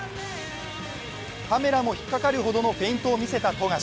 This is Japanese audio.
カメラも引っ掛かるほどのフェイントを見せた富樫。